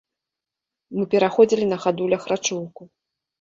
Мы пераходзілі на хадулях рачулку.